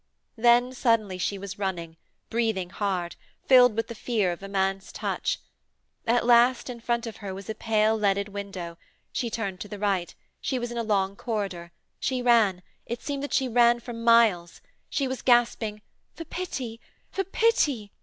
Then, suddenly she was running, breathing hard, filled with the fear of a man's touch. At last, in front of her was a pale, leaded window; she turned to the right; she was in a long corridor; she ran; it seemed that she ran for miles. She was gasping, 'For pity! for pity!'